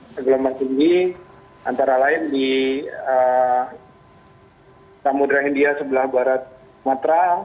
segelombang tinggi antara lain di tamudera india sebelah barat matra